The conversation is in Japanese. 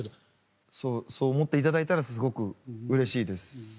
そう思って頂いたらすごくうれしいです。